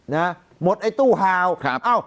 เนี้ยหมดไอตู้ทาวน์